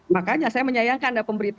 makanya saya menyayangkan anda pemberitahuan